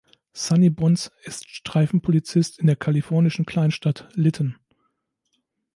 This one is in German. Sonny Bonds ist Streifenpolizist in der kalifornischen Kleinstadt Lytton.